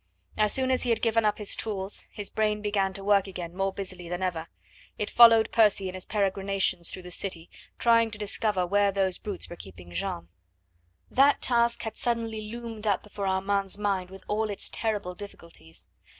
As soon as he had given up his tools, his brain began to work again more busily than ever. It followed Percy in his peregrinations through the city, trying to discover where those brutes were keeping Jeanne. That task had suddenly loomed up before Armand's mind with all its terrible difficulties.